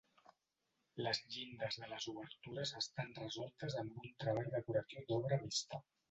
Les llindes de les obertures estan resoltes amb un treball decoratiu d'obra vista.